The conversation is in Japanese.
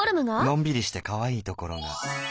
のんびりしてかわいいところが。